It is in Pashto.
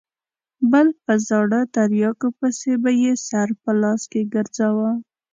بل په زاړه تریاکو پسې به یې سر په لاس کې ګرځاوه.